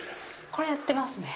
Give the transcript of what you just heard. これやってますね。